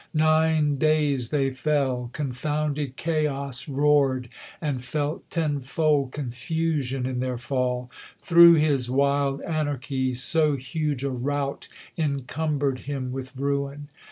Nine days they fell ; confounded Chaos roar'd And felt tenfold confusion in their fall : Through his wild anarchy, so huge a rout Inciunber'd him with ruin.